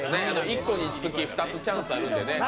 １個につき２つチャンスがあるんだよね。